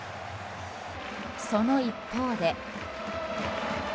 その一方で。